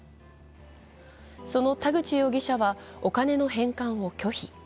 その田口容疑者はお金の返還を拒否。